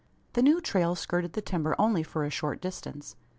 The new trail skirted the timber only for a short distance.